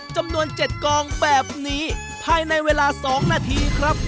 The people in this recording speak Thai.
จำนวน๗กองแบบนี้ภายในเวลา๒นาทีครับ